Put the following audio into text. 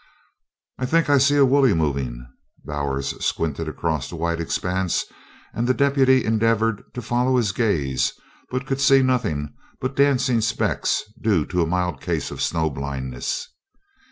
"I think I see a woolie movin'." Bowers squinted across the white expanse and the deputy endeavored to follow his gaze, but could see nothing but dancing specks due to a mild case of snow blindness.